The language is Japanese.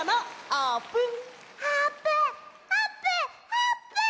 あーぷん。